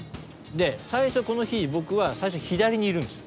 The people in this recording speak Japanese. で最初この日僕は左にいるんですよ。